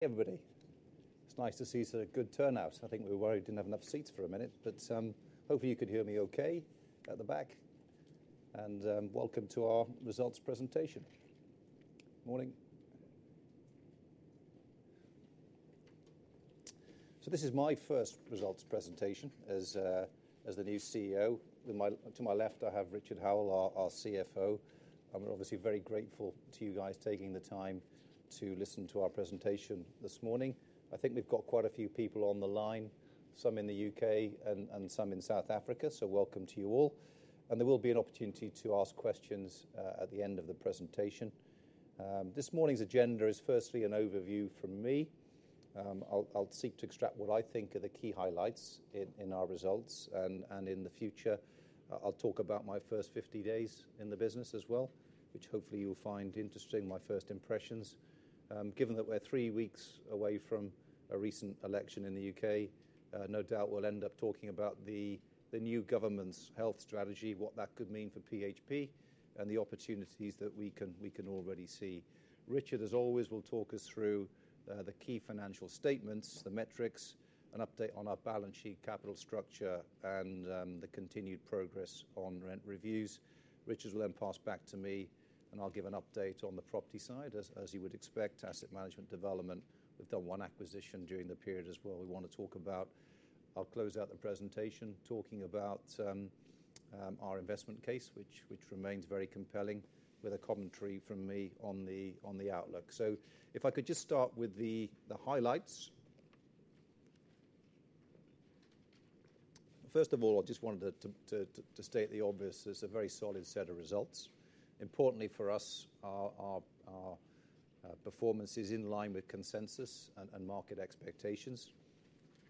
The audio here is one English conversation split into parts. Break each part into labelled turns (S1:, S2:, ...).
S1: Everybody. It's nice see such a good turnout. I think we were worried we didn't have enough seats for a minute, but hopefully you could hear me okay at the back. And welcome to our results presentation. Morning. So this is my first results presentation as the new CEO. To my left, I have Richard Howell, our CFO. And we're obviously very grateful to you guys taking the time to listen to our presentation this morning. I think we've got quite a few people on the line, some in the U.K. and some in South Africa, so welcome to you all. And there will be an opportunity to ask questions at the end of the presentation. This morning's agenda is, firstly, an overview from me. I'll seek to extract what I think are the key highlights in our results. In the future, I'll talk about my first 50 days in the business as well, which hopefully you'll find interesting, my first impressions. Given that we're three weeks away from a recent election in the U.K., no doubt we'll end up talking about the new government's health strategy, what that could mean for PHP, and the opportunities that we can already see. Richard, as always, will talk us through the key financial statements, the metrics, an update on our balance sheet capital structure, and the continued progress on rent reviews. Richard will then pass back to me, and I'll give an update on the property side, as you would expect, asset management development. We've done one acquisition during the period as well. We want to talk about, I'll close out the presentation talking about our investment case, which remains very compelling, with a commentary from me on the outlook. So if I could just start with the highlights. First of all, I just wanted to state the obvious: there's a very solid set of results. Importantly for us, our performance is in line with consensus and market expectations.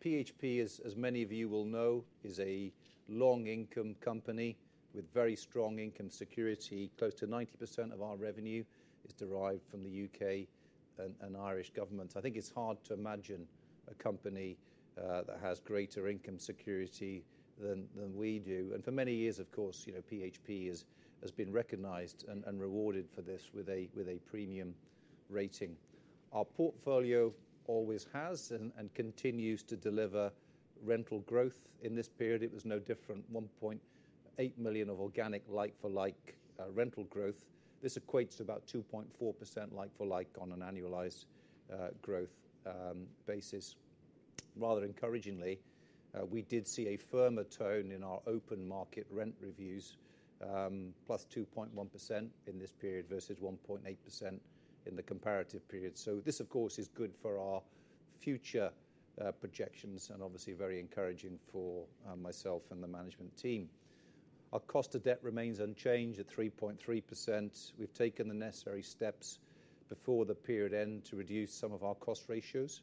S1: PHP, as many of you will know, is a long-income company with very strong income security. Close to 90% of our revenue is derived from the UK and Irish government. I think it's hard to imagine a company that has greater income security than we do. And for many years, of course, PHP has been recognized and rewarded for this with a premium rating. Our portfolio always has and continues to deliver rental growth. In this period, it was no different: 1.8 million of organic like-for-like rental growth. This equates to about 2.4% like-for-like on an annualized growth basis. Rather encouragingly, we did see a firmer tone in our market rent reviews, plus 2.1% in this period versus 1.8% in the comparative period. So this, of course, is good for our future projections and obviously very encouraging for myself and the management team. Our cost of debt remains unchanged at 3.3%. We've taken the necessary steps before the period end to reduce some of our cost ratios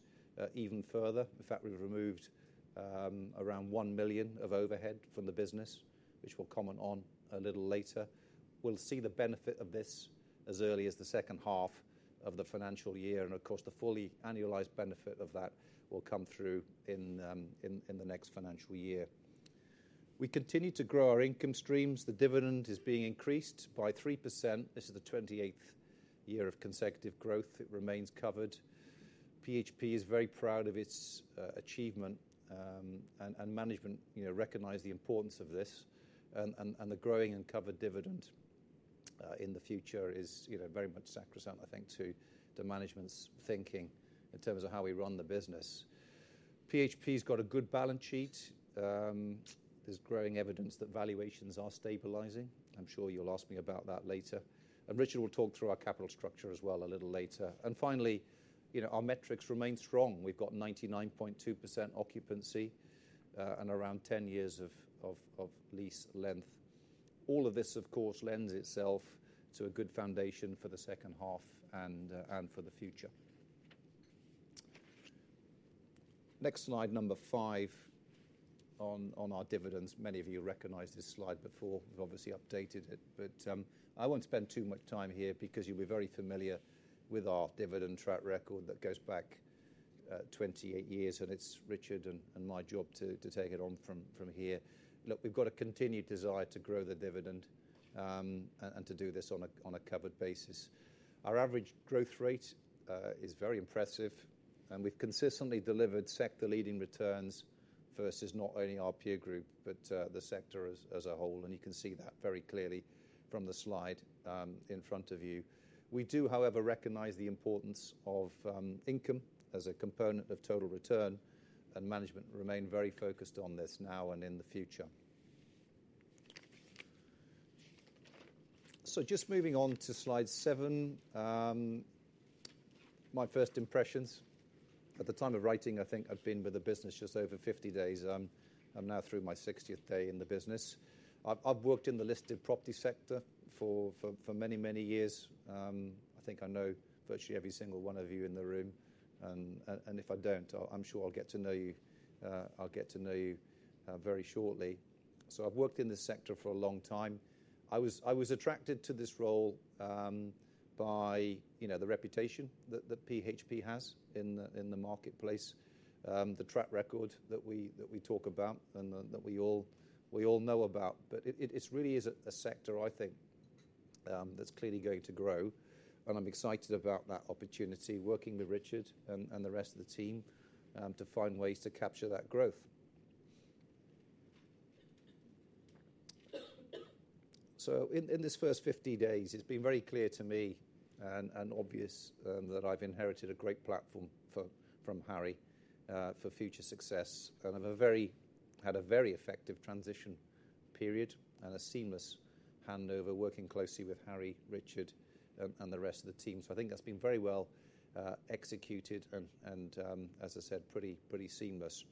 S1: even further. In fact, we've removed around 1 million of overhead from the business, which we'll comment on a little later. We'll see the benefit of this as early as the second half of the financial year. Of course, the fully annualized benefit of that will come through in the next financial year. We continue to grow our income streams. The dividend is being increased by 3%. This is the 28th year of consecutive growth. It remains covered. PHP is very proud of its achievement, and management recognized the importance of this. The growing and covered dividend in the future is very much sacrosanct, I think, to management's thinking in terms of how we run the business. PHP's got a good balance sheet. There's growing evidence that valuations are stabilizing. I'm sure you'll ask me about that later. Richard will talk through our capital structure as well a little later. Finally, our metrics remain strong. We've got 99.2% occupancy and around 10 years of lease length. All of this, of course, lends itself to a good foundation for the second half and for the future. Next slide, number 5 on our dividends. Many of you recognized this slide before. We've obviously updated it. But I won't spend too much time here because you'll be very familiar with our dividend track record that goes back 28 years. It's Richard and my job to take it on from here. Look, we've got a continued desire to grow the dividend and to do this on a covered basis. Our average growth rate is very impressive. We've consistently delivered sector-leading returns versus not only our peer group but the sector as a whole. You can see that very clearly from the slide in front of you. We do, however, recognize the importance of income as a component of total return. Management remain very focused on this now and in the future. Just moving on to slide 7, my first impressions. At the time of writing, I think I've been with the business just over 50 days. I'm now through my 60th day in the business. I've worked in the listed property sector for many, many years. I think I know virtually every single one of you in the room. If I don't, I'm sure I'll get to know you. I'll get to know you very shortly. I've worked in this sector for a long time. I was attracted to this role by the reputation that PHP has in the marketplace, the track record that we talk about and that we all know about. But it really is a sector, I think, that's clearly going to grow. I'm excited about that opportunity, working with Richard and the rest of the team to find ways to capture that growth. In this first 50 days, it's been very clear to me and obvious that I've inherited a great platform from Harry for future success. And I've had a very effective transition period and a seamless handover working closely with Harry, Richard, and the rest of the team. So I think that's been very well executed and, as I said, pretty seamless.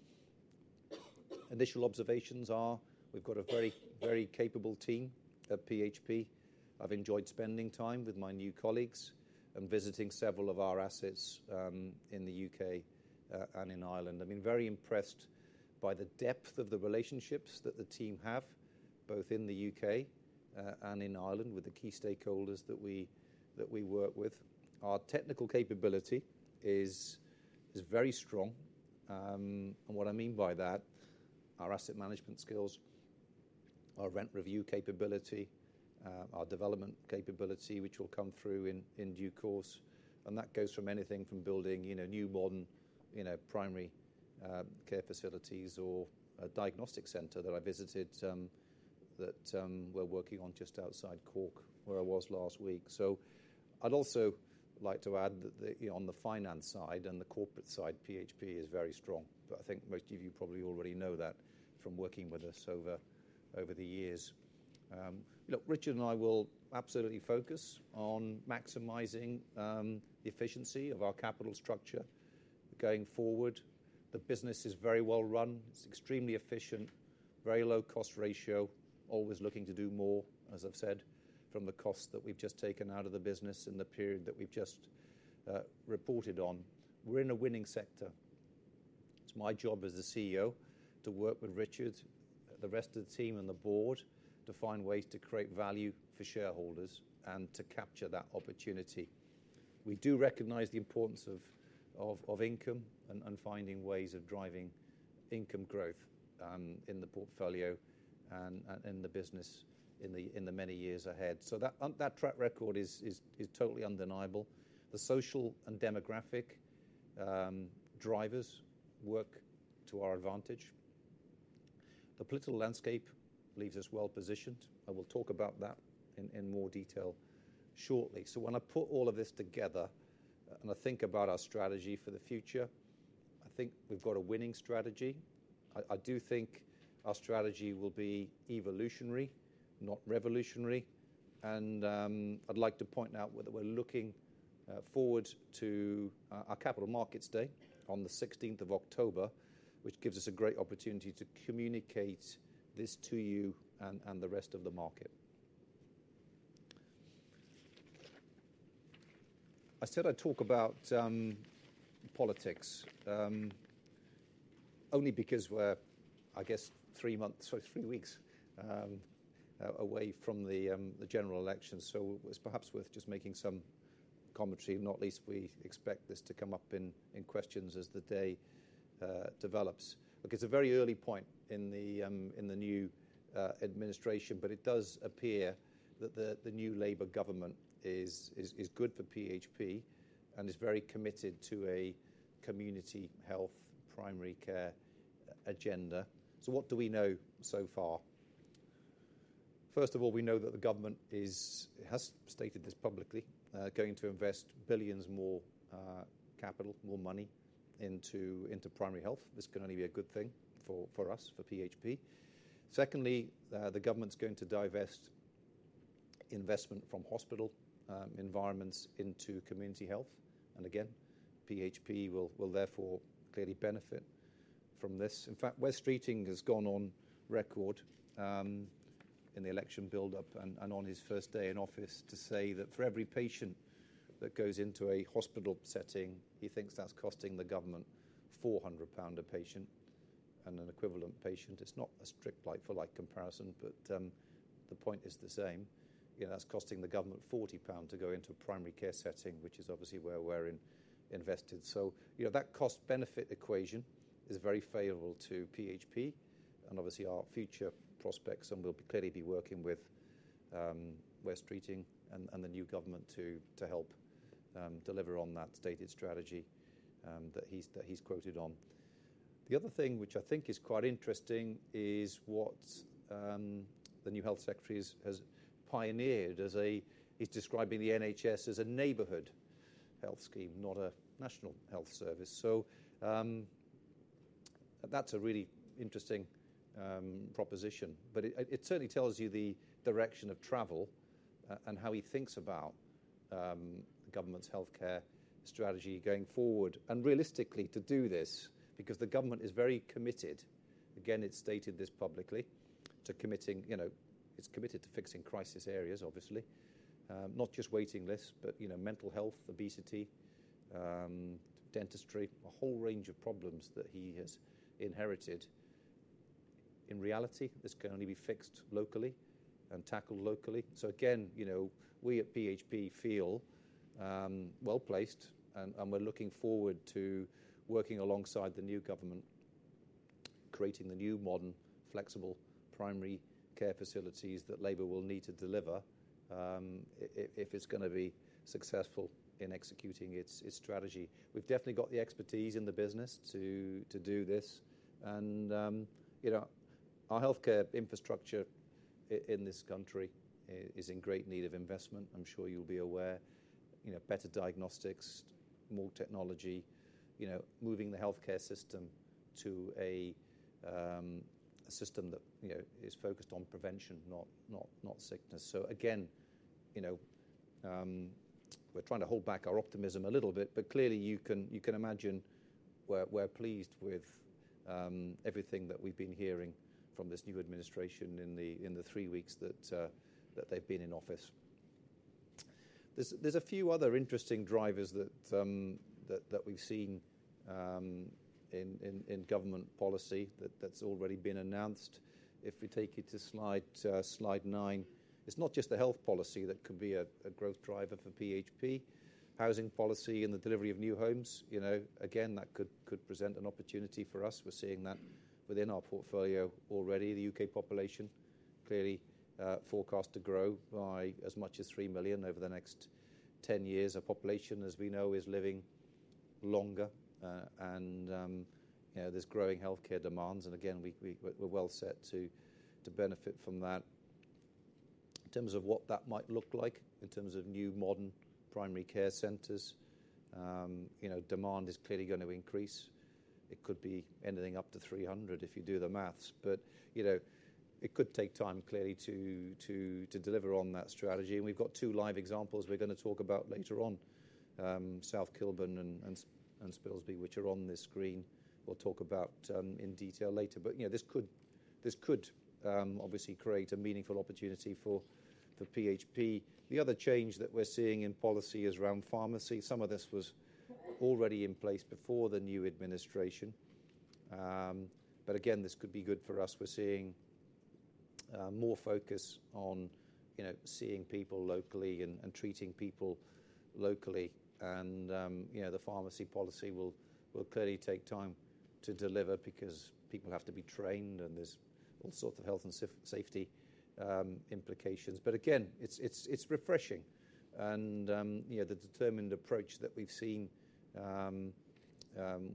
S1: Initial observations are we've got a very, very capable team at PHP. I've enjoyed spending time with my new colleagues and visiting several of our assets in the UK and in Ireland. I've been very impressed by the depth of the relationships that the team have, both in the UK and in Ireland, with the key stakeholders that we work with. Our technical capability is very strong. And what I mean by that, our asset management skills, our rent review capability, our development capability, which will come through in due course. And that goes from anything from building new modern primary care facilities or a diagnostic center that I visited that we're working on just outside Cork, where I was last week. So I'd also like to add that on the finance side and the corporate side, PHP is very strong. But I think most of you probably already know that from working with us over the years. Look, Richard and I will absolutely focus on maximizing the efficiency of our capital structure going forward. The business is very well run. It's extremely efficient, very low cost ratio, always looking to do more, as I've said, from the cost that we've just taken out of the business in the period that we've just reported on. We're in a winning sector. It's my job as the CEO to work with Richard, the rest of the team, and the board to find ways to create value for shareholders and to capture that opportunity. We do recognize the importance of income and finding ways of driving income growth in the portfolio and in the business in the many years ahead. So that track record is totally undeniable. The social and demographic drivers work to our advantage. The political landscape leaves us well positioned. I will talk about that in more detail shortly. So when I put all of this together and I think about our strategy for the future, I think we've got a winning strategy. I do think our strategy will be evolutionary, not revolutionary. I'd like to point out that we're looking forward to our Capital Markets Day on the 16th of October, which gives us a great opportunity to communicate this to you and the rest of the market. I said I'd talk about politics only because we're, I guess, three months or three weeks away from the general election. It's perhaps worth just making some commentary, not least we expect this to come up in questions as the day develops. Look, it's a very early point in the new administration, but it does appear that the new Labour government is good for PHP and is very committed to a community health primary care agenda. So what do we know so far? First of all, we know that the government has stated this publicly, going to invest billions more capital, more money into primary health. This can only be a good thing for us, for PHP. Secondly, the government's going to divest investment from hospital environments into community health. And again, PHP will therefore clearly benefit from this. In fact, Wes Streeting has gone on record in the election buildup and on his first day in office to say that for every patient that goes into a hospital setting, he thinks that's costing the government 400 pound a patient and an equivalent patient. It's not a strict like-for-like comparison, but the point is the same. That's costing the government 40 pounds to go into a primary care setting, which is obviously where we're invested. So that cost-benefit equation is very favorable to PHP and obviously our future prospects. And we'll clearly be working with Wes Streeting and the new government to help deliver on that stated strategy that he's quoted on. The other thing which I think is quite interesting is what the new Health Secretary has pioneered as he's describing the NHS as a neighborhood health scheme, not a Health Service. So that's a really interesting proposition. But it certainly tells you the direction of travel and how he thinks about the government's healthcare strategy going forward. And realistically, to do this, because the government is very committed, again, it's stated this publicly, to committing it's committed to fixing crisis areas, obviously, not just waiting lists, but mental health, obesity, dentistry, a whole range of problems that he has inherited. In reality, this can only be fixed locally and tackled locally. So again, we at PHP feel well placed, and we're looking forward to working alongside the new government, creating the new modern flexible primary care facilities that Labour will need to deliver if it's going to be successful in executing its strategy. We've definitely got the expertise in the business to do this. And our healthcare infrastructure in this country is in great need of investment. I'm sure you'll be aware. Better diagnostics, more technology, moving the healthcare system to a system that is focused on prevention, not sickness. So again, we're trying to hold back our optimism a little bit, but clearly you can imagine we're pleased with everything that we've been hearing from this new administration in the three weeks that they've been in office. There's a few other interesting drivers that we've seen in government policy that's already been announced. If we take you to slide nine, it's not just the health policy that could be a growth driver for PHP. Housing policy and the delivery of new homes, again, that could present an opportunity for us. We're seeing that within our portfolio already. The UK population clearly forecast to grow by as much as 3 million over the next 10 years. Our population, as we know, is living longer, and there's growing healthcare demands. Again, we're well set to benefit from that. In terms of what that might look like, in terms of new modern primary care centers, demand is clearly going to increase. It could be anything up to 300 if you do the math. But it could take time clearly to deliver on that strategy. We've got two live examples we're going to talk about later on, South Kilburn and Spilsby, which are on this screen. We'll talk about in detail later. But this could obviously create a meaningful opportunity for PHP. The other change that we're seeing in policy is around pharmacy. Some of this was already in place before the new administration. But again, this could be good for us. We're seeing more focus on seeing people locally and treating people locally. And the pharmacy policy will clearly take time to deliver because people have to be trained, and there's all sorts of health and safety implications. But again, it's refreshing. And the determined approach that we've seen,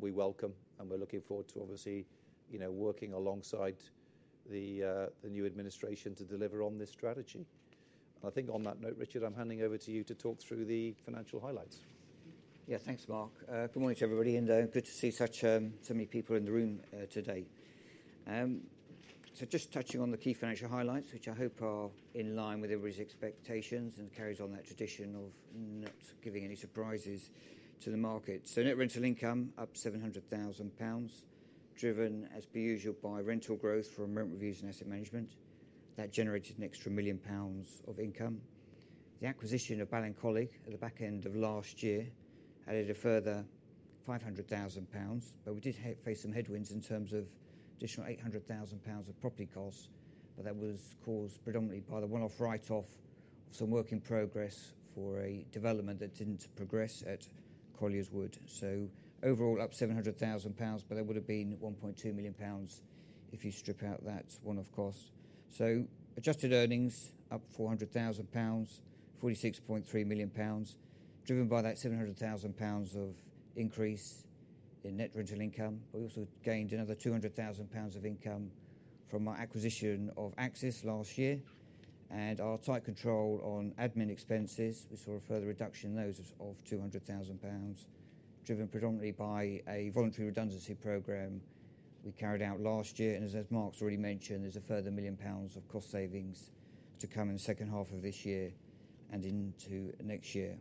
S1: we welcome. And we're looking forward to, obviously, working alongside the new administration to deliver on this strategy. I think on that note, Richard, I'm handing over to you to talk through the financial highlights.
S2: Yeah, thanks, Mark. Good morning to everybody, and good to see so many people in the room today. So just touching on the key financial highlights, which I hope are in line with everybody's expectations and carries on that tradition of not giving any surprises to the market. So net rental income up 700,000 pounds, driven, as per usual, by rental growth from rent reviews and asset management. That generated an extra 1 million pounds of income. The acquisition of Ballincollig at the back end of last year added a further 500,000 pounds. But we did face some headwinds in terms of additional 800,000 pounds of property costs. But that was caused predominantly by the one-off write-off of some work in progress for a development that didn't progress at Colliers Wood. So overall, up 700,000 pounds, but there would have been 1.2 million pounds if you strip out that one-off cost. So adjusted earnings up 400,000 pounds, 46.3 million pounds, driven by that 700,000 pounds of increase in net rental income. But we also gained another 200,000 pounds of income from our acquisition of Axis last year. And our tight control on admin expenses, we saw a further reduction in those of 200,000 pounds, driven predominantly by a voluntary redundancy program we carried out last year. And as Mark's already mentioned, there's a further 1 million pounds of cost savings to come in the second half of this year and into next year.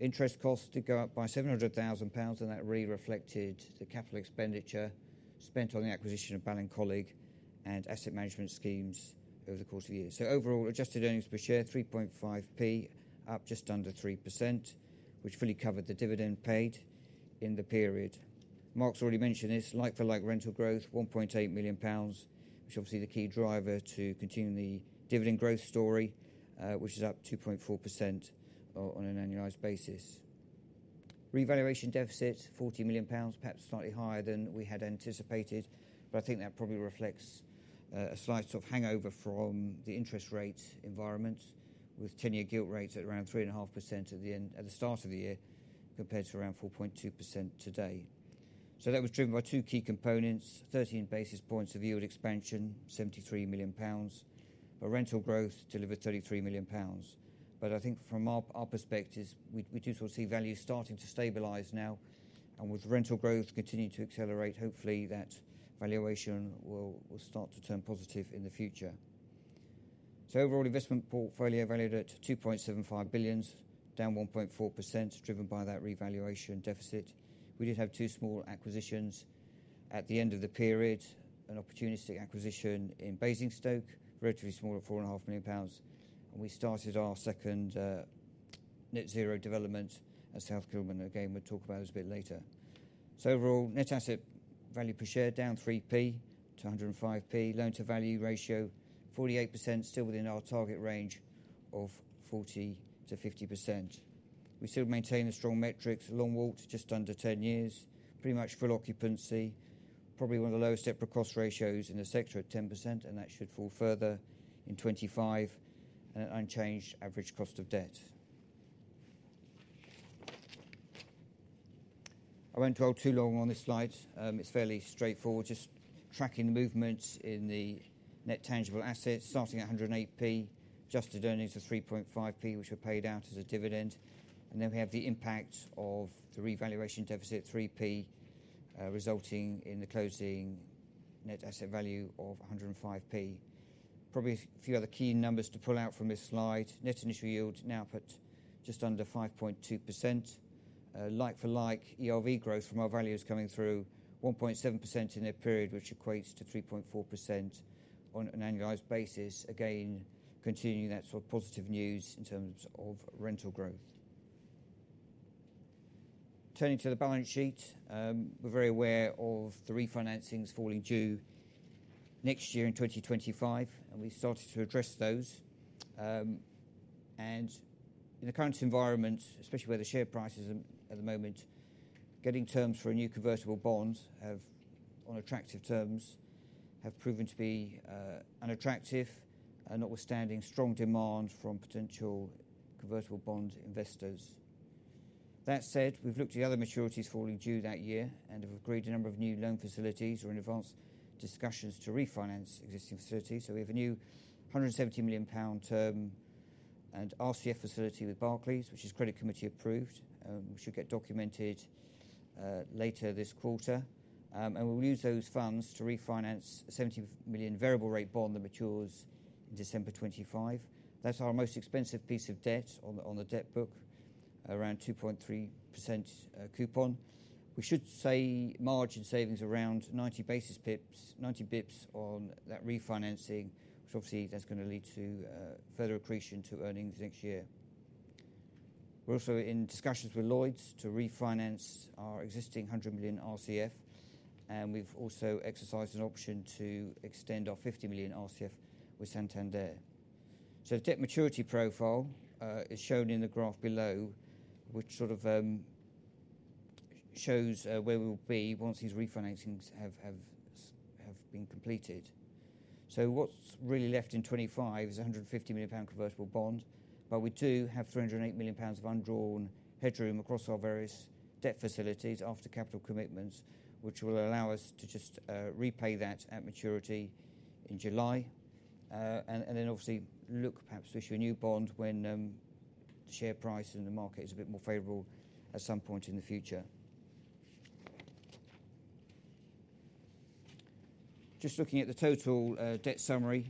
S2: Interest costs did go up by 700,000 pounds, and that really reflected the capital expenditure spent on the acquisition of Ballincollig and asset management schemes over the course of the year. So overall, adjusted earnings per share, 3.5p, up just under 3%, which fully covered the dividend paid in the period. Mark's already mentioned this. Like-for-like rental growth, 1.8 million pounds, which is obviously the key driver to continue the dividend growth story, which is up 2.4% on an annualized basis. Revaluation deficit, 40 million pounds, perhaps slightly higher than we had anticipated. But I think that probably reflects a slight sort of hangover from the interest rate environment, with 10-year gilt rates at around 3.5% at the start of the year compared to around 4.2% today. So that was driven by two key components: 13 basis points of yield expansion, 73 million pounds. But rental growth delivered 33 million pounds. But I think from our perspective, we do sort of see value starting to stabilize now. And with rental growth continuing to accelerate, hopefully that valuation will start to turn positive in the future. So overall investment portfolio valued at 2.75 billion, down 1.4%, driven by that revaluation deficit. We did have two small acquisitions at the end of the period, an opportunistic acquisition in Basingstoke, relatively small at 4.5 million pounds. We started our second net zero development at South Kilburn. Again, we'll talk about it a bit later. So overall, net asset value per share, down 3p-105p. Loan-to-value ratio, 48%, still within our target range of 40%-50%. We still maintain a strong metrics, long WAULT, just under 10 years, pretty much full occupancy, probably one of the lowest EPRA cost ratios in the sector at 10%, and that should fall further in 2025 at an unchanged average cost of debt. I won't dwell too long on this slide. It's fairly straightforward, just tracking movements in the net tangible assets, starting at 108p, adjusted earnings of 3.5p, which were paid out as a dividend. Then we have the impact of the revaluation deficit, 3p, resulting in the closing net asset value of 105p. Probably a few other key numbers to pull out from this slide. Net initial yield now put just under 5.2%. Like-for-like ERV growth from our values coming through, 1.7% in a period, which equates to 3.4% on an annualized basis, again, continuing that sort of positive news in terms of rental growth. Turning to the balance sheet, we're very aware of the refinancings falling due next year in 2025, and we've started to address those. In the current environment, especially where the share prices are at the moment, getting terms for a new convertible bond on attractive terms have proven to be unattractive, notwithstanding strong demand from potential convertible bond investors. That said, we've looked at the other maturities falling due that year and have agreed a number of new loan facilities or in advance discussions to refinance existing facilities. So we have a new 170 million pound term and RCF facility with Barclays, which is credit committee approved, which should get documented later this quarter. And we will use those funds to refinance a 70 million variable rate bond that matures in December 2025. That's our most expensive piece of debt on the debt book, around 2.3% coupon. We should say margin savings around 90 basis points on that refinancing, which obviously that's going to lead to further accretion to earnings next year. We're also in discussions with Lloyds to refinance our existing 100 million RCF, and we've also exercised an option to extend our 50 million RCF with Santander. So the debt maturity profile is shown in the graph below, which sort of shows where we will be once these refinancings have been completed. So what's really left in 2025 is a 150 million pound convertible bond, but we do have 308 million pounds of undrawn headroom across our various debt facilities after capital commitments, which will allow us to just repay that at maturity in July. And then obviously look, perhaps issue a new bond when the share price and the market is a bit more favorable at some point in the future. Just looking at the total debt summary,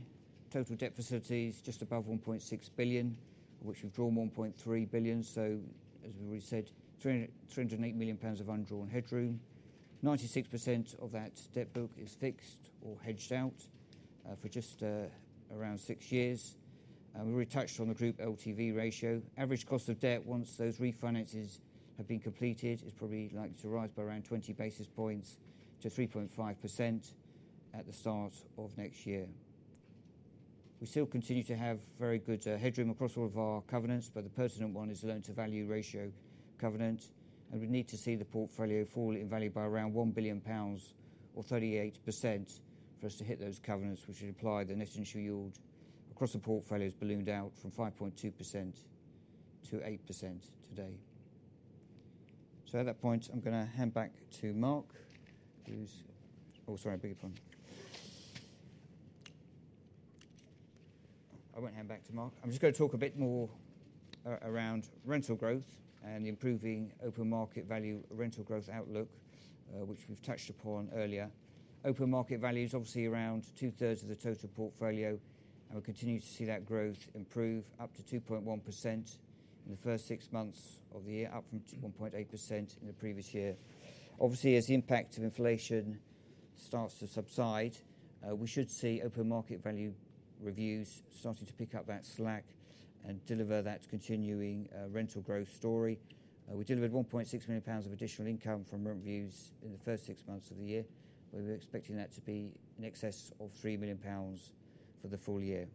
S2: total debt facilities just above 1.6 billion, of which we've drawn 1.3 billion. So as we already said, 308 million pounds of undrawn headroom. 96% of that debt book is fixed or hedged out for just around six years. We already touched on the group LTV ratio. Average cost of debt once those refinances have been completed is probably likely to rise by around 20 basis points to 3.5% at the start of next year. We still continue to have very good headroom across all of our covenants, but the pertinent one is the loan-to-value ratio covenant. We need to see the portfolio fall in value by around 1 billion pounds or 38% for us to hit those covenants, which would imply the net initial yield across the portfolio has ballooned out from 5.2%-8% today. So at that point, I'm going to hand back to Mark. Oh, sorry, I'll bring it upon. I won't hand back to Mark. I'm just going to talk a bit more around rental growth and the improving open market value rental growth outlook, which we've touched upon earlier. Open Market Value is obviously around two-thirds of the total portfolio, and we continue to see that growth improve up to 2.1% in the first six months of the year, up from 1.8% in the previous year. Obviously, as the impact of inflation starts to subside, we should see open market value reviews starting to pick up that slack and deliver that continuing rental growth story. We delivered 1.6 million pounds of additional income from rent reviews in the first six months of the year, but we were expecting that to be in excess of 3 million pounds for the full year.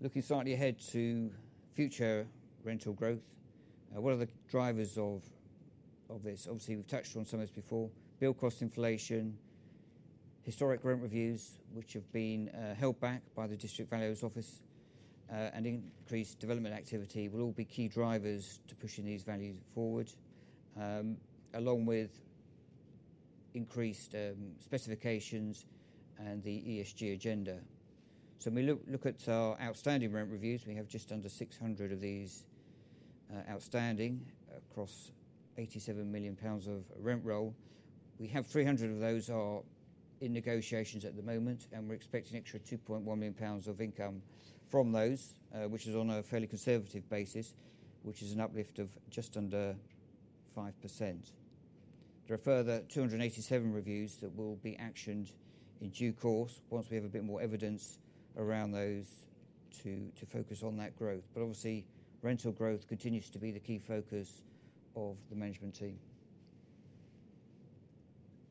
S2: Looking slightly ahead to future rental growth, what are the drivers of this? Obviously, we've touched on some of this before: build cost inflation, historic rent reviews, which have been held back by the District Valuer's Office, and increased development activity will all be key drivers to pushing these values forward, along with increased specifications and the ESG agenda. So when we look at our outstanding rent reviews, we have just under 600 of these outstanding across 87 million pounds of rent roll. We have 300 of those in negotiations at the moment, and we're expecting an extra 2.1 million pounds of income from those, which is on a fairly conservative basis, which is an uplift of just under 5%. There are further 287 reviews that will be actioned in due course once we have a bit more evidence around those to focus on that growth. But obviously, rental growth continues to be the key focus of the management team.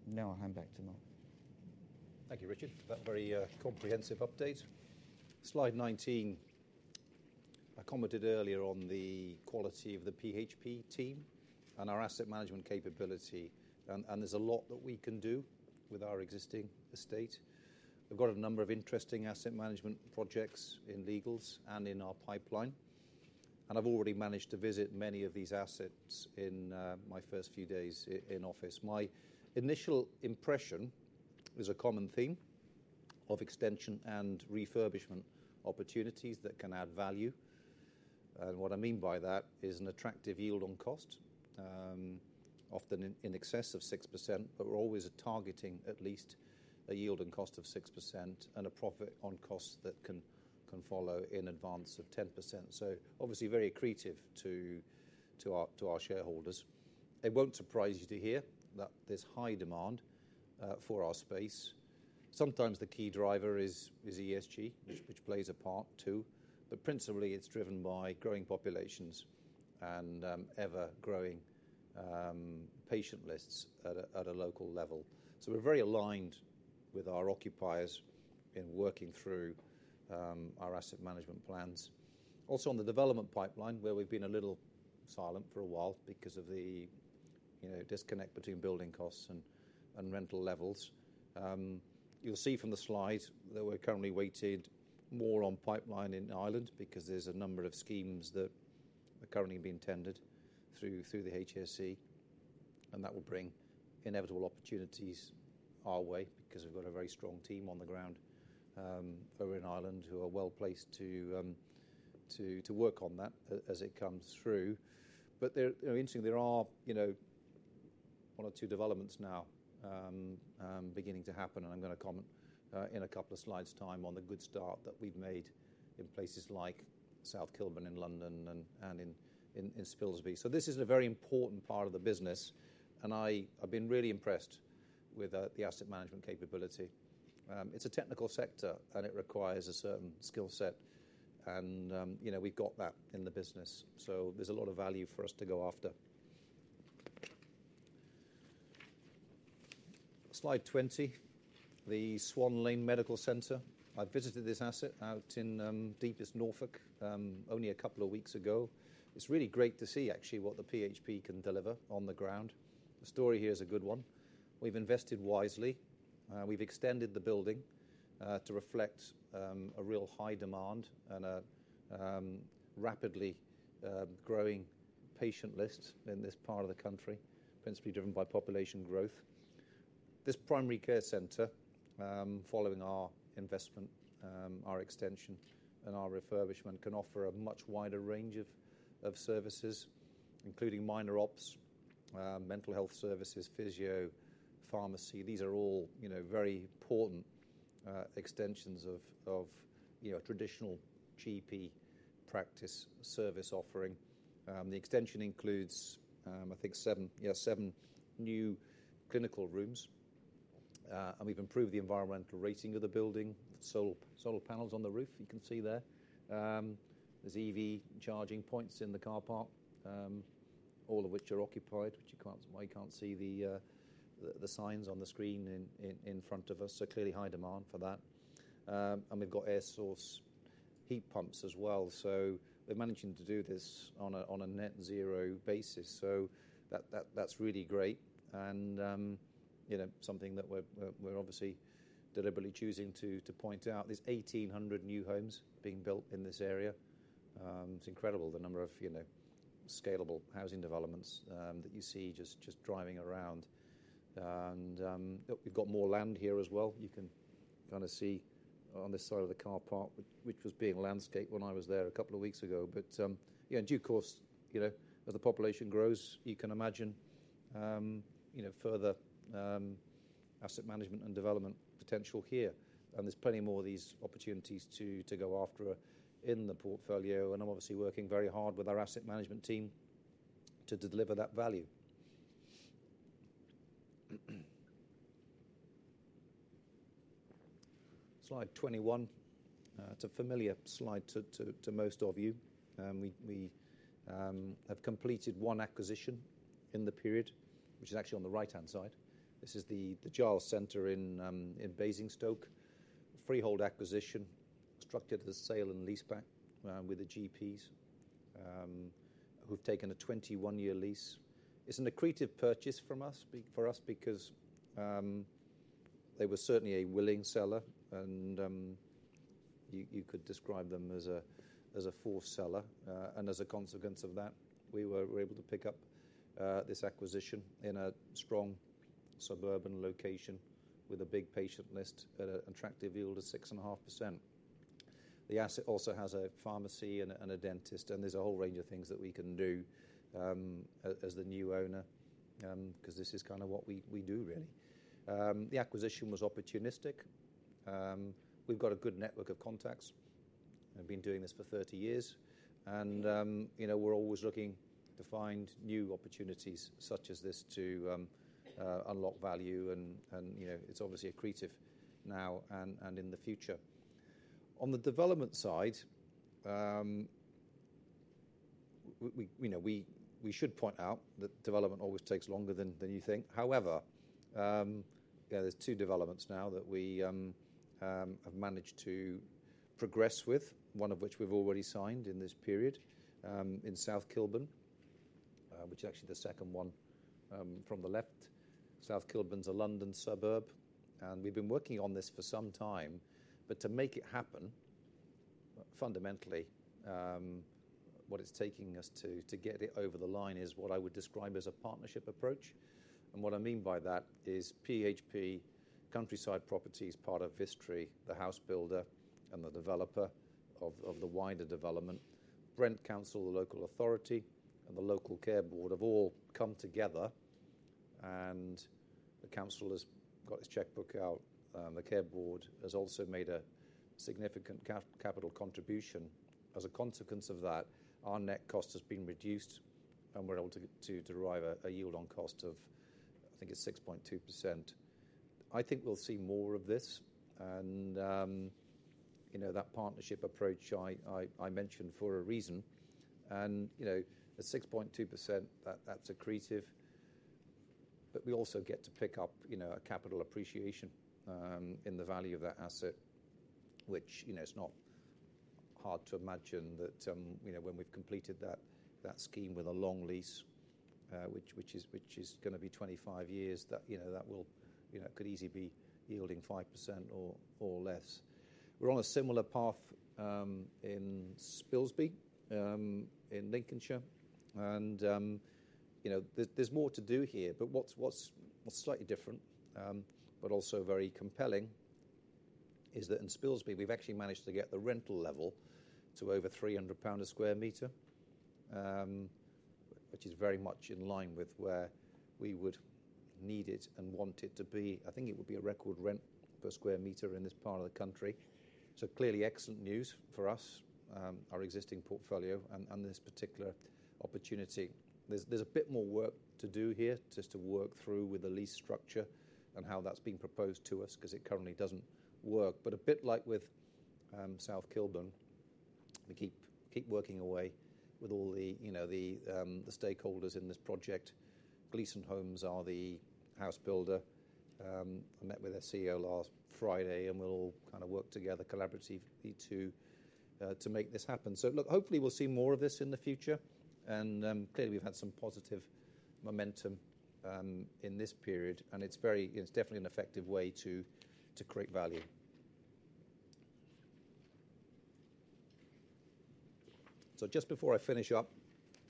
S2: Now I'll hand back to Mark.
S1: Thank you, Richard, for that very comprehensive update. Slide 19. I commented earlier on the quality of the PHP team and our asset management capability. There's a lot that we can do with our existing estate. We've got a number of interesting asset management projects in legals and in our pipeline. I've already managed to visit many of these assets in my first few days in office. My initial impression is a common theme of extension and refurbishment opportunities that can add value. What I mean by that is an attractive yield on cost, often in excess of 6%, but we're always targeting at least a yield on cost of 6% and a profit on cost that can follow in advance of 10%. Obviously, very accretive to our shareholders. It won't surprise you to hear that there's high demand for our space. Sometimes the key driver is ESG, which plays a part too. But principally, it's driven by growing populations and ever-growing patient lists at a local level. So we're very aligned with our occupiers in working through our asset management plans. Also, on the development pipeline, where we've been a little silent for a while because of the disconnect between building costs and rental levels, you'll see from the slides that we're currently weighted more on pipeline in Ireland because there's a number of schemes that are currently being tendered through the HSE. And that will bring inevitable opportunities our way because we've got a very strong team on the ground over in Ireland who are well placed to work on that as it comes through. But interestingly, there are one or two developments now beginning to happen, and I'm going to comment in a couple of slides' time on the good start that we've made in places like South Kilburn in London and in Spilsby. So this is a very important part of the business, and I've been really impressed with the asset management capability. It's a technical sector, and it requires a certain skill set, and we've got that in the business. So there's a lot of value for us to go after. Slide 20, the Swan Lane Medical Centre. I visited this asset out in deepest Norfolk only a couple of weeks ago. It's really great to see, actually, what the PHP can deliver on the ground. The story here is a good one. We've invested wisely. We've extended the building to reflect a real high demand and a rapidly growing patient list in this part of the country, principally driven by population growth. This primary care center, following our investment, our extension, and our refurbishment, can offer a much wider range of services, including minor ops, mental health services, physio, pharmacy. These are all very important extensions of traditional GP practice service offering. The extension includes, I think, seven new clinical rooms. And we've improved the environmental rating of the building, solar panels on the roof you can see there. There's EV charging points in the car park, all of which are occupied, which you might can't see the signs on the screen in front of us. So clearly, high demand for that. And we've got air source heat pumps as well. So we're managing to do this on a net zero basis. So that's really great and something that we're obviously deliberately choosing to point out. There's 1,800 new homes being built in this area. It's incredible the number of scalable housing developments that you see just driving around. And we've got more land here as well. You can kind of see on this side of the car park, which was being landscaped when I was there a couple of weeks ago. But in due course, as the population grows, you can imagine further asset management and development potential here. And there's plenty more of these opportunities to go after in the portfolio. And I'm obviously working very hard with our asset management team to deliver that value. Slide 21. It's a familiar slide to most of you. We have completed one acquisition in the period, which is actually on the right-hand side. This is the Gillies Centre in Basingstoke, freehold acquisition, structured as sale and leaseback with the GPs who've taken a 21-year lease. It's an accretive purchase for us because they were certainly a willing seller, and you could describe them as a force seller. And as a consequence of that, we were able to pick up this acquisition in a strong suburban location with a big patient list, an attractive yield of 6.5%. The asset also has a pharmacy and a dentist, and there's a whole range of things that we can do as the new owner because this is kind of what we do, really. The acquisition was opportunistic. We've got a good network of contacts. We've been doing this for 30 years. And we're always looking to find new opportunities such as this to unlock value. And it's obviously accretive now and in the future. On the development side, we should point out that development always takes longer than you think. However, there's two developments now that we have managed to progress with, one of which we've already signed in this period in South Kilburn, which is actually the second one from the left. South Kilburn's a London suburb, and we've been working on this for some time. But to make it happen, fundamentally, what it's taking us to get it over the line is what I would describe as a partnership approach. And what I mean by that is PHP Countryside Properties is part of Vistry, the house builder and the developer of the wider development. Brent Council, the local authority, and the local care board have all come together, and the council has got its checkbook out. The care board has also made a significant capital contribution. As a consequence of that, our net cost has been reduced, and we're able to derive a yield on cost of, I think it's 6.2%. I think we'll see more of this. And that partnership approach, I mentioned for a reason. And at 6.2%, that's accretive. But we also get to pick up a capital appreciation in the value of that asset, which it's not hard to imagine that when we've completed that scheme with a long lease, which is going to be 25 years, that could easily be yielding 5% or less. We're on a similar path in Spilsby in Lincolnshire. And there's more to do here. But what's slightly different, but also very compelling, is that in Spilsby, we've actually managed to get the rental level to over 300 pound a square meter, which is very much in line with where we would need it and want it to be. I think it would be a record rent per square meter in this part of the country. So clearly, excellent news for us, our existing portfolio, and this particular opportunity. There's a bit more work to do here just to work through with the lease structure and how that's being proposed to us because it currently doesn't work. But a bit like with South Kilburn, we keep working away with all the stakeholders in this project. Gleeson Homes are the house builder. I met with their CEO last Friday, and we'll all kind of work together collaboratively to make this happen. So look, hopefully, we'll see more of this in the future. Clearly, we've had some positive momentum in this period, and it's definitely an effective way to create value. Just before I finish up,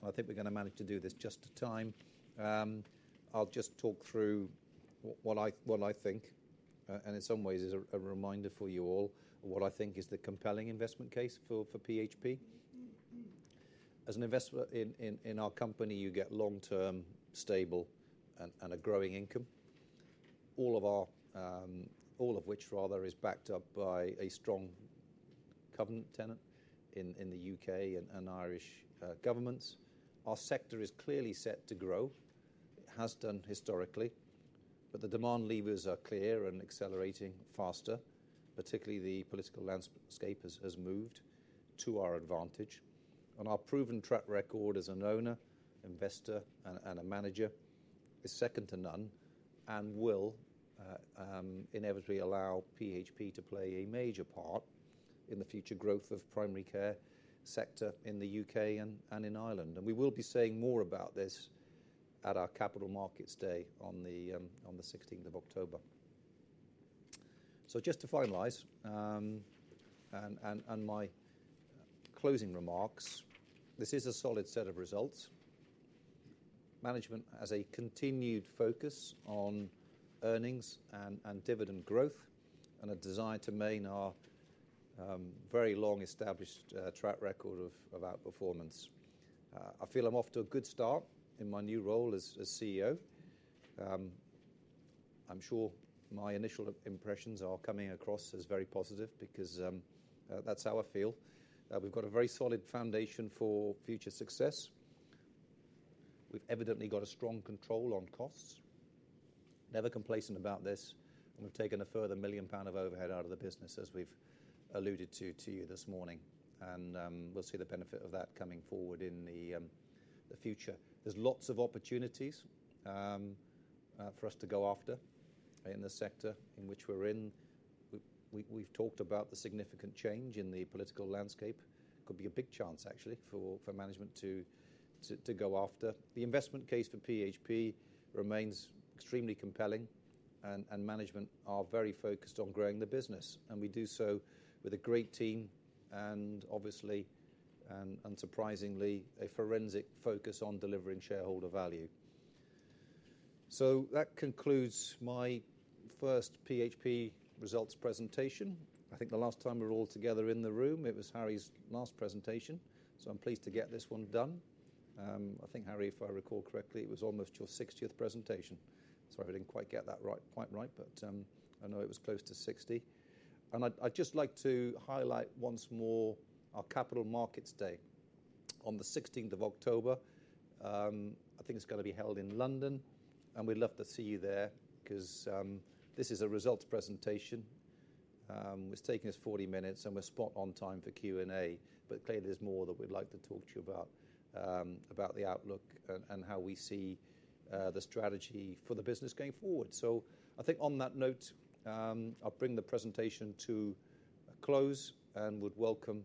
S1: I think we're going to manage to do this just to time. I'll just talk through what I think, and in some ways, it's a reminder for you all of what I think is the compelling investment case for PHP. As an investor in our company, you get long-term, stable, and a growing income, all of which, rather, is backed up by a strong covenant tenant in the UK and Irish governments. Our sector is clearly set to grow. It has done historically. But the demand levers are clear and accelerating faster. Particularly, the political landscape has moved to our advantage. Our proven track record as an owner, investor, and a manager is second to none and will inevitably allow PHP to play a major part in the future growth of the primary care sector in the UK and in Ireland. We will be saying more about this at our Capital Markets Day on the 16th of October. So just to finalise and my closing remarks, this is a solid set of results. Management has a continued focus on earnings and dividend growth and a desire to maintain our very long-established track record of outperformance. I feel I'm off to a good start in my new role as CEO. I'm sure my initial impressions are coming across as very positive because that's how I feel. We've got a very solid foundation for future success. We've evidently got a strong control on costs, never complacent about this. We've taken a further 1 million pound of overhead out of the business, as we've alluded to you this morning. We'll see the benefit of that coming forward in the future. There's lots of opportunities for us to go after in the sector in which we're in. We've talked about the significant change in the political landscape. It could be a big chance, actually, for management to go after. The investment case for PHP remains extremely compelling, and management are very focused on growing the business. We do so with a great team and, obviously, and surprisingly, a forensic focus on delivering shareholder value. That concludes my first PHP results presentation. I think the last time we were all together in the room, it was Harry's last presentation. I'm pleased to get this one done. I think, Harry, if I recall correctly, it was almost your 60th presentation. Sorry, I didn't quite get that quite right, but I know it was close to 60. I'd just like to highlight once more our Capital Markets Day on the 16th of October. I think it's going to be held in London. We'd love to see you there because this is a results presentation. It's taking us 40 minutes, and we're spot on time for Q&A. Clearly, there's more that we'd like to talk to you about, about the outlook and how we see the strategy for the business going forward. I think on that note, I'll bring the presentation to a close and would welcome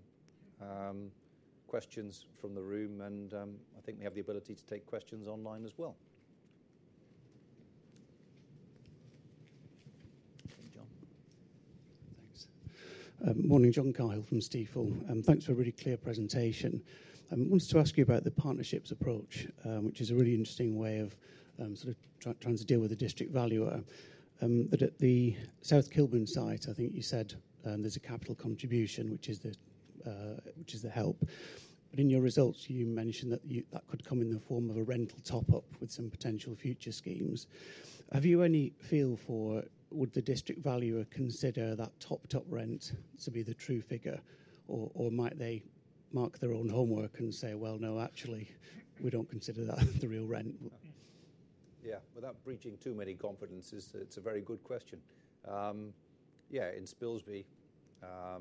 S1: questions from the room. I think we have the ability to take questions online as well. Thanks, John.
S3: Thanks. Morning, John Cahill from Stifel. Thanks for a really clear presentation. I wanted to ask you about the partnerships approach, which is a really interesting way of sort of trying to deal with the District Valuer. But at the South Kilburn site, I think you said there's a capital contribution, which is the help. But in your results, you mentioned that that could come in the form of a rental top-up with some potential future schemes. Have you any feel for whether the District Valuer would consider that top-up rent to be the true figure, or might they mark their own homework and say, "Well, no, actually, we don't consider that the real rent"?
S1: Yeah. Without breaching too many confidences, it's a very good question. Yeah, in Spilsby, I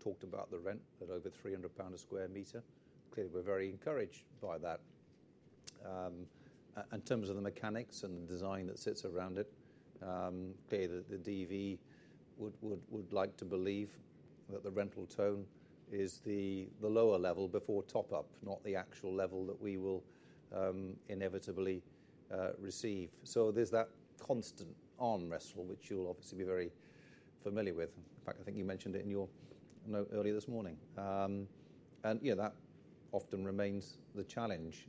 S1: talked about the rent at over 300 pounds per sq m. Clearly, we're very encouraged by that. In terms of the mechanics and the design that sits around it, clearly, the DV would like to believe that the rental tone is the lower level before top-up, not the actual level that we will inevitably receive. So there's that constant arm wrestle, which you'll obviously be very familiar with. In fact, I think you mentioned it in your note earlier this morning. That often remains the challenge.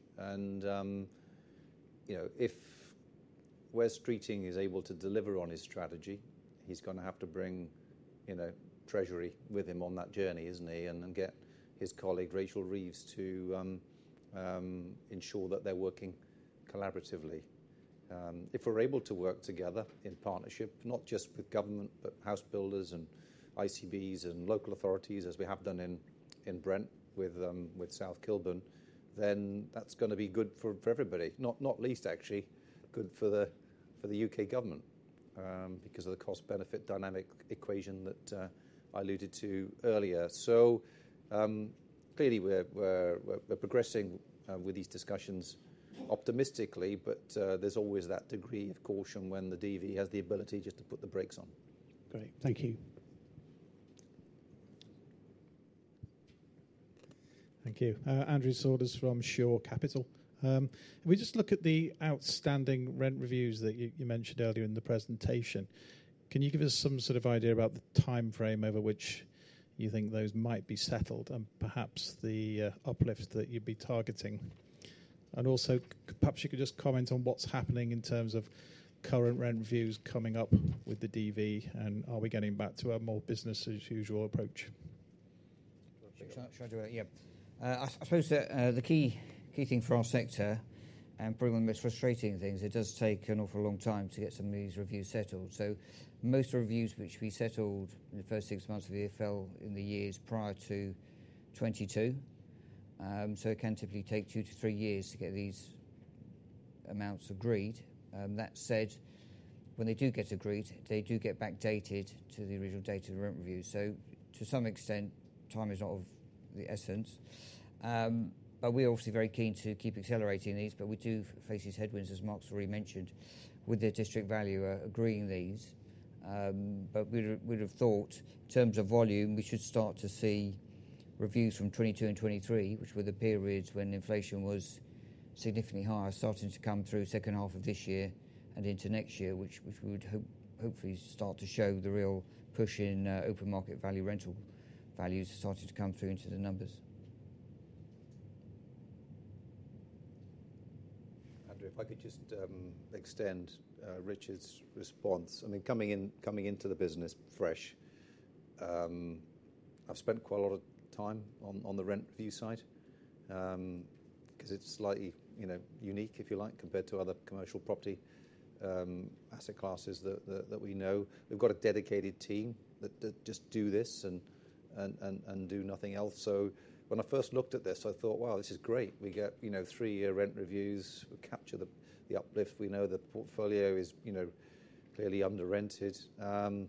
S1: If Wes Streeting is able to deliver on his strategy, he's going to have to bring Treasury with him on that journey, isn't he, and get his colleague, Rachel Reeves, to ensure that they're working collaboratively. If we're able to work together in partnership, not just with government, but house builders and ICBs and local authorities, as we have done in Brent with South Kilburn, then that's going to be good for everybody, not least, actually, good for the UK government because of the cost-benefit dynamic equation that I alluded to earlier. So clearly, we're progressing with these discussions optimistically, but there's always that degree of caution when the DV has the ability just to put the brakes on.
S3: Great. Thank you.
S4: Thank you. Andrew Saunders from Shore Capital. If we just look at the outstanding rent reviews that you mentioned earlier in the presentation, can you give us some sort of idea about the timeframe over which you think those might be settled and perhaps the uplift that you'd be targeting? And also, perhaps you could just comment on what's happening in terms of current rent reviews coming up with the DV, and are we getting back to a more business-as-usual approach?
S2: Should I do it? Yeah. I suppose the key thing for our sector, and probably one of the most frustrating things, it does take an awful long time to get some of these reviews settled. So most reviews which we settled in the first six months of the year fell in the years prior to 2022. So it can typically take 2-3 years to get these amounts agreed. That said, when they do get agreed, they do get backdated to the original date of the rent review. So to some extent, time is not of the essence. But we're obviously very keen to keep accelerating these. But we do face these headwinds, as Mark's already mentioned, with the District Valuer agreeing these. But we would have thought, in terms of volume, we should start to see reviews from 2022 and 2023, which were the periods when inflation was significantly higher, starting to come through second half of this year and into next year, which we would hopefully start to show the real push in Open Market Value rental values starting to come through into the numbers.
S1: Andrew, if I could just extend Richard's response. I mean, coming into the business fresh, I've spent quite a lot of time on the rent review side because it's slightly unique, if you like, compared to other commercial property asset classes that we know. We've got a dedicated team that just do this and do nothing else. So when I first looked at this, I thought, "Wow, this is great. We get three-year rent reviews. We capture the uplift. We know the portfolio is clearly under-rented.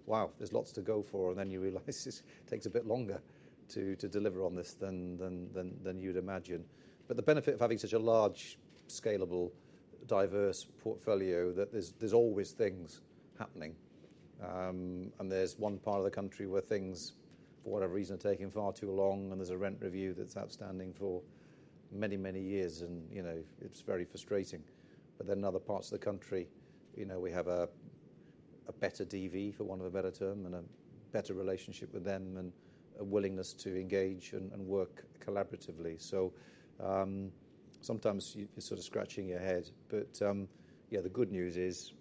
S1: Wow, there's lots to go for." And then you realize it takes a bit longer to deliver on this than you'd imagine. But the benefit of having such a large, scalable, diverse portfolio is that there's always things happening. And there's one part of the country where things, for whatever reason, are taking far too long, and there's a rent review that's outstanding for many, many years, and it's very frustrating. But then in other parts of the country, we have a better DV, for want of a better term, and a better relationship with them and a willingness to engage and work collaboratively. So sometimes you're sort of scratching your head. But yeah, the good news is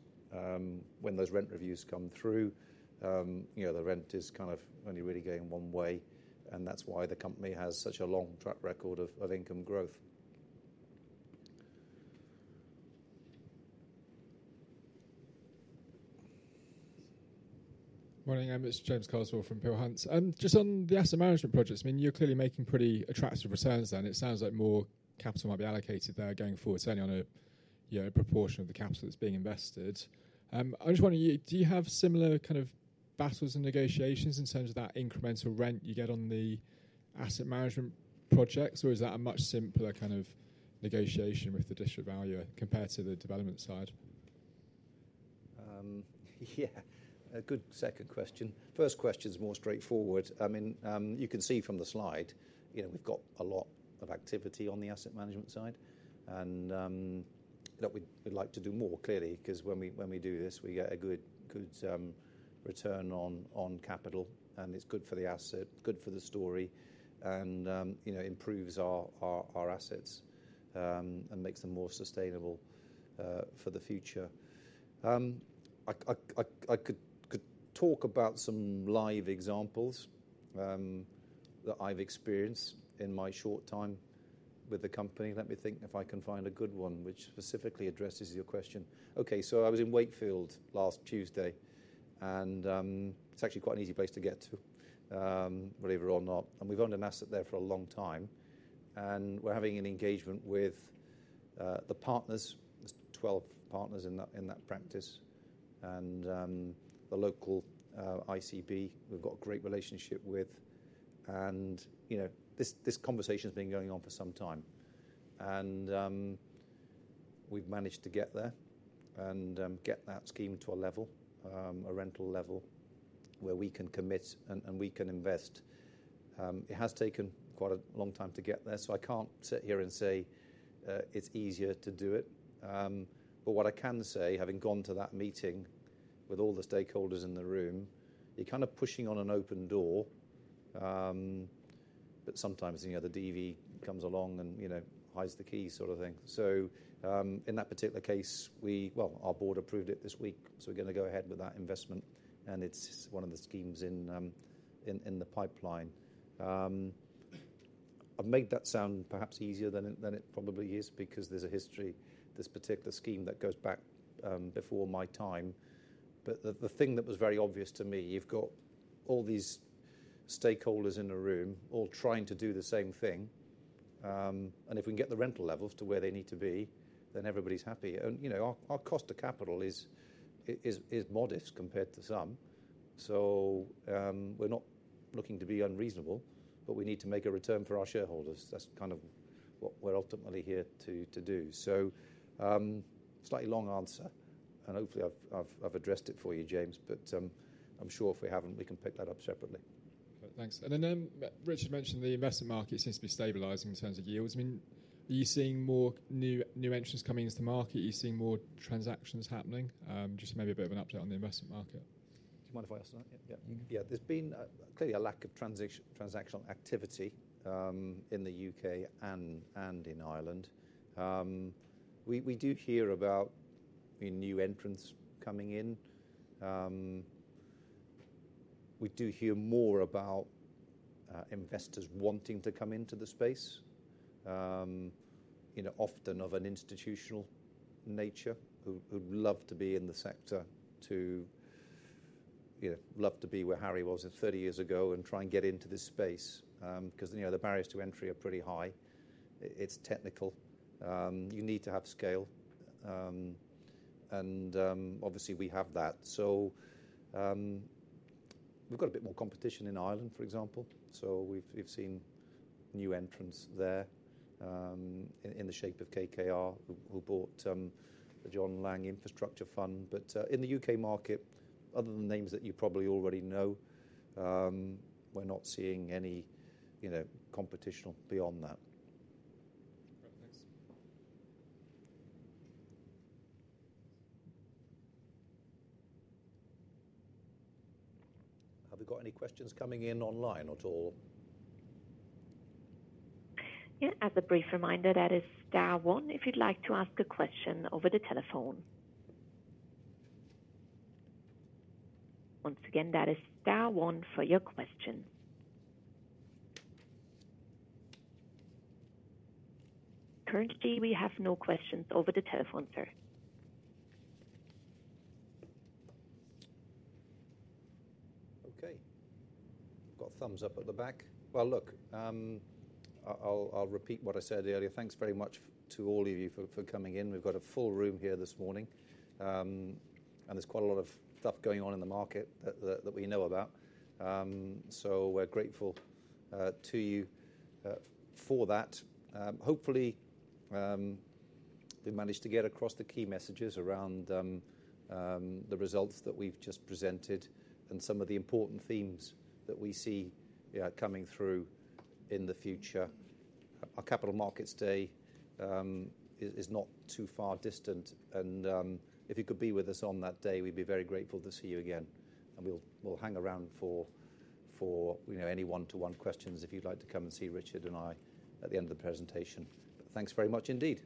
S1: when those rent reviews come through, the rent is kind of only really going one way. And that's why the company has such a long track record of income growth.
S5: Morning. I'm Mr. James Carswell from Peel Hunt. Just on the asset management projects, I mean, you're clearly making pretty attractive returns there. And it sounds like more capital might be allocated there going forward, certainly on a proportion of the capital that's being invested. I was just wondering, do you have similar kind of battles and negotiations in terms of that incremental rent you get on the asset management projects, or is that a much simpler kind of negotiation with the District Valuer compared to the development side?
S1: Yeah. Good second question. First question is more straightforward. I mean, you can see from the slide, we've got a lot of activity on the asset management side. And we'd like to do more, clearly, because when we do this, we get a good return on capital. It's good for the asset, good for the story, and improves our assets and makes them more sustainable for the future. I could talk about some live examples that I've experienced in my short time with the company. Let me think if I can find a good one which specifically addresses your question. Okay. I was in Wakefield last Tuesday. It's actually quite an easy place to get to, believe it or not. We've owned an asset there for a long time. We're having an engagement with the partners, 12 partners in that practice, and the local ICB we've got a great relationship with. This conversation has been going on for some time. We've managed to get there and get that scheme to a level, a rental level where we can commit and we can invest. It has taken quite a long time to get there. So I can't sit here and say it's easier to do it. But what I can say, having gone to that meeting with all the stakeholders in the room, you're kind of pushing on an open door. But sometimes the DV comes along and hides the key sort of thing. So in that particular case, well, our board approved it this week. So we're going to go ahead with that investment. And it's one of the schemes in the pipeline. I've made that sound perhaps easier than it probably is because there's a history, this particular scheme that goes back before my time. But the thing that was very obvious to me, you've got all these stakeholders in a room all trying to do the same thing. And if we can get the rental levels to where they need to be, then everybody's happy. Our cost of capital is modest compared to some. So we're not looking to be unreasonable, but we need to make a return for our shareholders. That's kind of what we're ultimately here to do. So slightly long answer. And hopefully, I've addressed it for you, James. But I'm sure if we haven't, we can pick that up separately.
S5: Thanks. And then Richard mentioned the investment market seems to be stabilizing in terms of yields. I mean, are you seeing more new entrants coming into the market? Are you seeing more transactions happening? Just maybe a bit of an update on the investment market.
S1: Do you mind if I ask that?
S2: Yeah.
S1: There's been clearly a lack of transactional activity in the U.K. and in Ireland. We do hear about new entrants coming in. We do hear more about investors wanting to come into the space, often of an institutional nature, who'd love to be in the sector, to love to be where Harry was 30 years ago and try and get into this space because the barriers to entry are pretty high. It's technical. You need to have scale. And obviously, we have that. So we've got a bit more competition in Ireland, for example. So we've seen new entrants there in the shape of KKR, who bought the John Laing Infrastructure Fund. But in the U.K. market, other than the names that you probably already know, we're not seeing any competition beyond that. Have we got any questions coming in online at all?
S6: Yeah. As a brief reminder, that is Star 1 if you'd like to ask a question over the telephone. Once again, that is Star 1 for your question. Currently, we have no questions over the telephone, sir.
S1: Okay. We've got thumbs up at the back. Well, look, I'll repeat what I said earlier. Thanks very much to all of you for coming in. We've got a full room here this morning. And there's quite a lot of stuff going on in the market that we know about. So we're grateful to you for that. Hopefully, we've managed to get across the key messages around the results that we've just presented and some of the important themes that we see coming through in the future. Our Capital Markets Day is not too far distant. And if you could be with us on that day, we'd be very grateful to see you again. We'll hang around for any one-to-one questions if you'd like to come and see Richard and I at the end of the presentation. Thanks very much indeed.